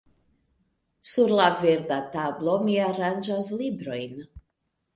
Sur la verda tablo mi aranĝas librojn.